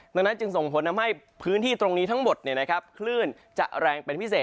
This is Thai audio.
ดังนั้นจึงส่งผลทำให้พื้นที่ตรงนี้ทั้งหมดคลื่นจะแรงเป็นพิเศษ